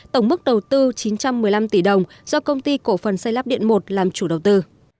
tổng mức đầu tư chín trăm một mươi năm tỷ đồng do công ty cổ phần xây lắp điện một làm chủ đầu tư